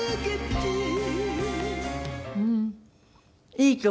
いい曲。